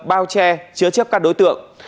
bao che chứa chấp các đối tượng